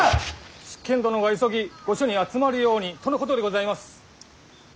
執権殿が急ぎ御所に集まるようにとのことでございます。